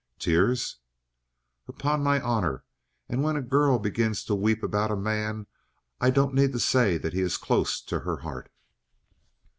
"Tears?" "Upon my honor, and when a girl begins to weep about a man I don't need to say he is close to her heart."